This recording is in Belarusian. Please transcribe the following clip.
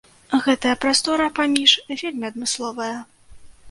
Гэтая прастора паміж вельмі адмысловая.